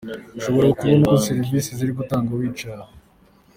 Ushobora kubona uko serivisi ziri gutangwa wicaye aha.